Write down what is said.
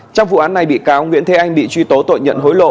trong vụ án này bị cáo nguyễn thế anh bị truy tố tội nhận hối lộ